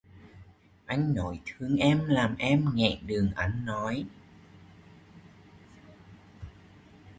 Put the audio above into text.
Anh nói thương em làm em nghẹn đường ăn nói